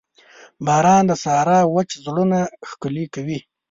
باران د صحرا وچ زړونه ښکلي کوي.